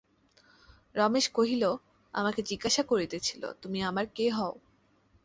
রমেশ কহিল, আমাকে জিজ্ঞাসা করিতেছিল তুমি আমার কে হও?